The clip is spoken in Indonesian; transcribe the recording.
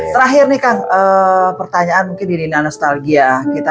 pertanyaan terakhir mungkin dirinya nostalgia